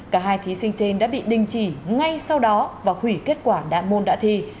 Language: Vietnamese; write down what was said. cả hai thí sinh trên đã bị đình chỉ ngay sau đó và hủy kết quả đạn môn đã thi